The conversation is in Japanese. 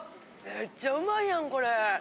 めっちゃうまいやんこれ！